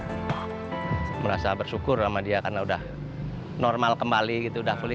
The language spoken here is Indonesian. saya merasa bersyukur sama dia karena sudah normal kembali gitu dah fully